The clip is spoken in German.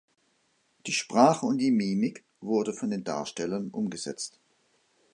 Die Sprache und die Mimik wurde von den Darstellern umgesetzt.